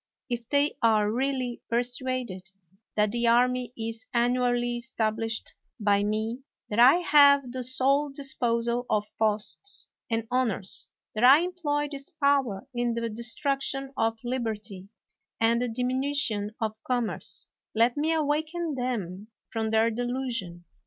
If they are really persuaded that the army is annually established by me, that I have the sole disposal of posts and honors, that I employ this power in the destruction of liberty and the dimi nution of commerce, let me awaken them from their delusion.